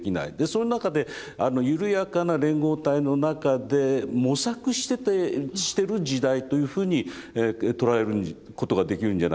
その中で緩やかな連合体の中で模索しててしてる時代というふうに捉えることができるんじゃないでしょうかね。